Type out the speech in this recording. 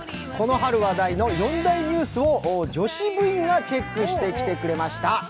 この春、話題の４大ニュースを女子部員がチェックしてきてくれました。